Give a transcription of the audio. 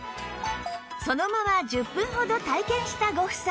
そのまま１０分ほど体験したご夫妻